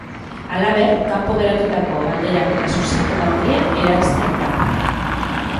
Halaber, kanpo geratutako galderak eta zuzenketa orria eransten da.